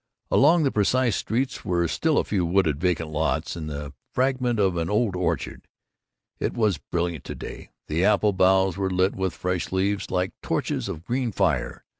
Along the precise streets were still a few wooded vacant lots, and the fragment of an old orchard. It was brilliant to day; the apple boughs were lit with fresh leaves like torches of green fire.